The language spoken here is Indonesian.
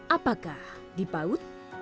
apakah di paut